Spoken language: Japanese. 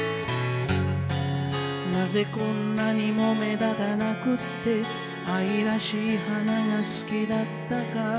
「何故こんなにも目立たなくて愛らしい花が好きだったか」